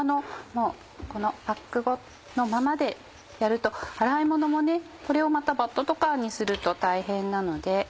このパックのままでやると洗い物もこれをまたバットとかにすると大変なので。